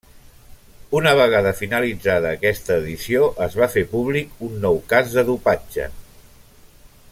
Una vegada finalitzada aquesta edició es va fer públic un nou cas de dopatge.